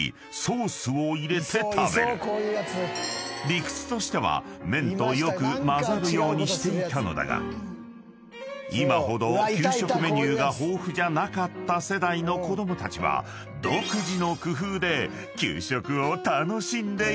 ［理屈としては麺とよく交ざるようにしていたのだが今ほど給食メニューが豊富じゃなかった世代の子供たちは独自の工夫で給食を楽しんでいたのだ］